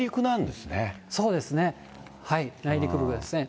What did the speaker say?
そうですね、内陸部ですね。